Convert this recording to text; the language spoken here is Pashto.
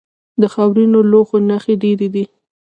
د خاورینو لوښو نښې ډیرې دي